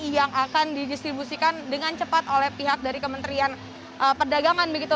yang akan didistribusikan dengan cepat oleh pihak dari kementerian perdagangan begitu